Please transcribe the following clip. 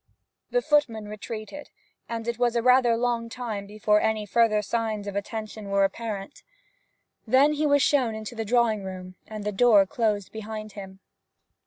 The footman retreated, and it was rather a long time before any further signs of attention were apparent. Then he was shown into the drawing room, and the door closed behind him.